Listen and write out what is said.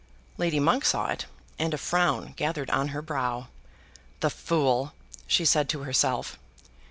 Lady Monk saw it, and a frown gathered on her brow. "The fool!" she said to herself.